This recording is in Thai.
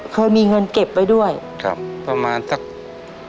เกิที่เราเก็บมีเงินเขื่อนั้นยินดีดี